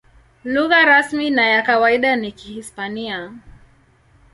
Lugha rasmi na ya kawaida ni Kihispania.